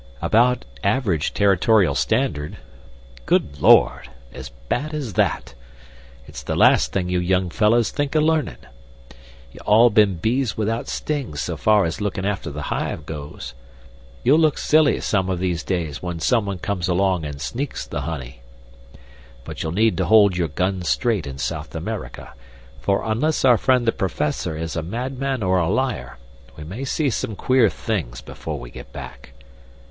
"About average Territorial standard." "Good Lord! as bad as that? It's the last thing you young fellahs think of learnin'. You're all bees without stings, so far as lookin' after the hive goes. You'll look silly, some o' these days, when someone comes along an' sneaks the honey. But you'll need to hold your gun straight in South America, for, unless our friend the Professor is a madman or a liar, we may see some queer things before we get back.